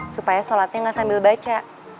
supaya sholatnya gak sambil baca